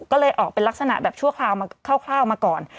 ก็เลยออกเป็นลักษณะแบบชั่วคราวมาคร่าวมาก่อน